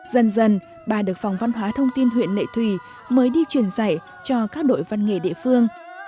dần dần bà được phòng văn hóa thông tin huyện lệ thủy mới đi truyền dạy cho các đội văn nghệ địa phương